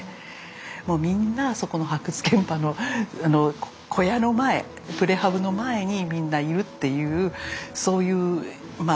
もうみんなそこの発掘現場の小屋の前プレハブの前にみんないるっていうそういうまあ